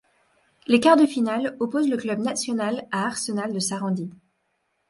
Les quarts de finale opposent le Club Nacional à Arsenal de Sarandi.